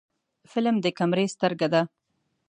فلم د کیمرې سترګه ده